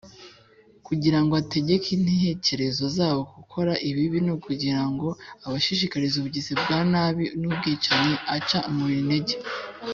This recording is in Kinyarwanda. kugira ngo ategeke intekerezo zabo gukora ibibi, no kugira ngo abashishikarize ubugizi bwa nabi n’ubwicanyi aca umubiri intege,